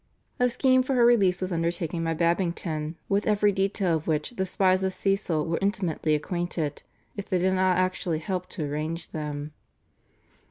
A scheme for her release was undertaken by Babington, with every detail of which the spies of Cecil were intimately acquainted, if they did not actually help to arrange them.